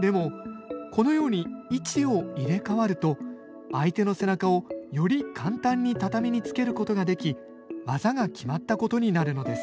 でもこのように位置を入れ替わると相手の背中をより簡単に畳につけることができ技が決まったことになるのです